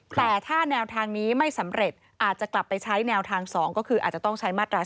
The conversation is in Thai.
แต่ถ้าแนวทางนี้ไม่สำเร็จอาจจะกลับไปใช้แนวทางสอง